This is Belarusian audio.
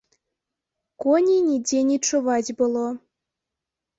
Коней нідзе не чуваць было.